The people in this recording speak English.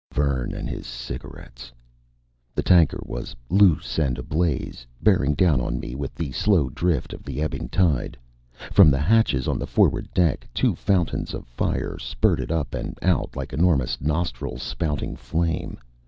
Vern and his cigarettes! The tanker was loose and ablaze, bearing down on me with the slow drift of the ebbing tide. From the hatches on the forward deck, two fountains of fire spurted up and out, like enormous nostrils spouting flame.